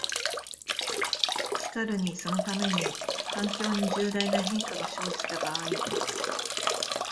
しかるにそのために、環境に重大な変化が生じた場合、